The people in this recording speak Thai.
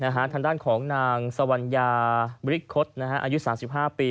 ทางด้านของนางสวัญญาบริคตอายุ๓๕ปี